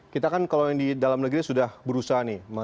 kita kan kalau yang di dalam negeri sudah berusaha nih